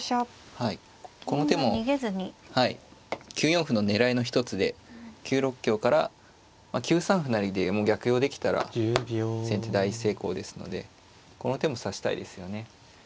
９四歩の狙いの一つで９六香から９三歩成でもう逆用できたら先手大成功ですのでこの手も指したいですよね。